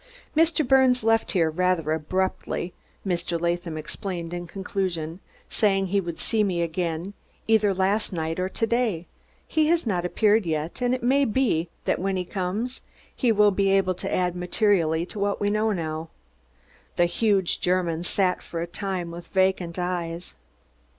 "Mr. Birnes left here rather abruptly," Mr. Latham explained in conclusion, "saying he would see me again, either last night or to day. He has not appeared yet, and it may be that when he comes he will be able to add materially to what we now know." The huge German sat for a time with vacant eyes.